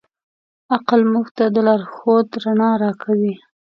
عقل موږ ته د لارښود رڼا راکوي.